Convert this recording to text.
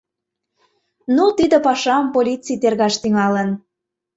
Ну тиде пашам полиций тергаш тӱҥалын.